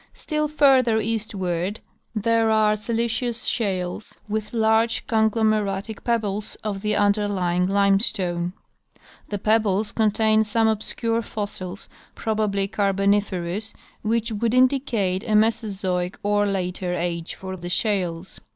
Still farther eastward there are siliceous shales with large conglomeratic pebbles of the underlying limestone. The pebbles contain some obscure fossils, probably Carboniferous, which would indicate a Mesozoic or later, age for the shales.